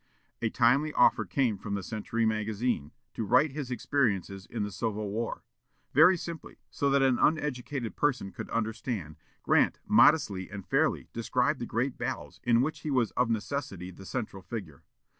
A timely offer came from the Century magazine, to write his experiences in the Civil War. Very simply, so that an uneducated person could understand, Grant modestly and fairly described the great battles in which he was of necessity the central figure.